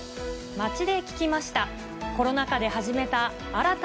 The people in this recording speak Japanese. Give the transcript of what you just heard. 街で聞きました。